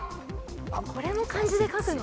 これも漢字で書くの？